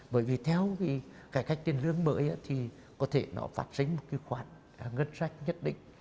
bởi vì theo cái cách tiền lương mới thì có thể nó phát sinh một cái khoản ngân sách nhất định